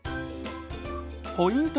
ポイント